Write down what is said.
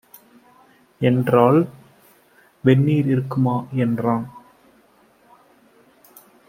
என்றாள். "வெந்நீர் இருக்குமா" என்றான்.